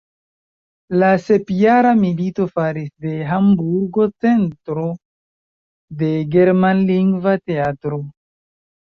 La Sepjara milito faris de Hamburgo centro de germanlingva teatro.